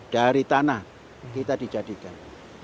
dari tanah kita dijadikan